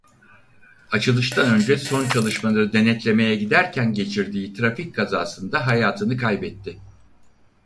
Açılıştan önce son çalışmaları denetlemeye giderken geçirdiği trafik kazasında hayatını kaybetti.